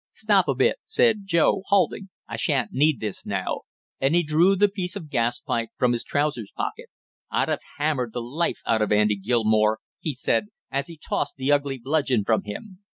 "Stop a bit," said Joe halting. "I shan't need this now," and he drew the piece of gas pipe from his trousers pocket. "I'd have hammered the life out of Andy Gilmore!" he said, as he tossed the ugly bludgeon from him.